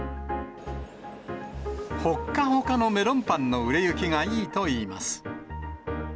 ほっかほかのめろんぱんの売れ行きがいいといいます。